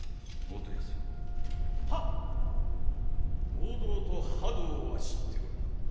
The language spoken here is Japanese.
王道と覇道は知っておるな。